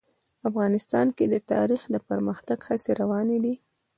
افغانستان کې د تاریخ د پرمختګ هڅې روانې دي.